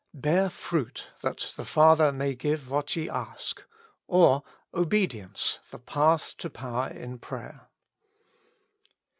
Bear fruit, that the Father may give what ye ask :" or Obedience the Path to Power in Prayer.